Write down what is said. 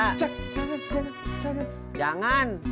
jak jangan jangan jangan